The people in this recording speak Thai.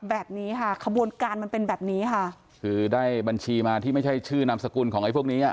แบบนี้ค่ะขบวนการมันเป็นแบบนี้ค่ะคือได้บัญชีมาที่ไม่ใช่ชื่อนามสกุลของไอ้พวกนี้อ่ะ